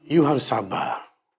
you harus sabar